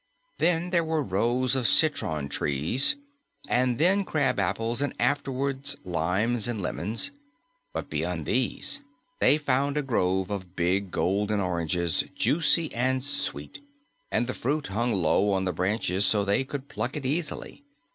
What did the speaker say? Then there were rows of citron trees and then crab apples and afterward limes and lemons. But beyond these they found a grove of big, golden oranges, juicy and sweet, and the fruit hung low on the branches so they could pluck it easily.